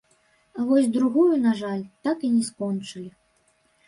А вось другую, на жаль, так і не скончылі.